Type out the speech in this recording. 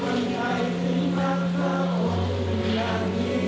แค่ในโต๊ะค้ำหารัมพิษ